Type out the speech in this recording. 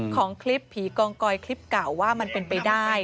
ของคลิปผีกองกอยคลิปเก่าว่ามันเป็นไปได้